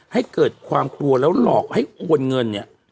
ให้เกิดความกลัวแล้วหลอกให้โอนเงินเนี่ย